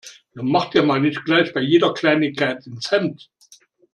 Nun mach dir mal nicht gleich bei jeder Kleinigkeit ins Hemd.